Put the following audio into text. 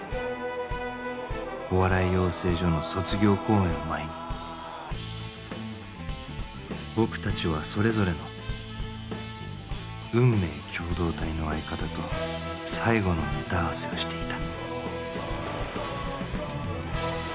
お笑い養成所の卒業公演を前に僕たちはそれぞれの運命共同体の相方と最後のネタ合わせをしていた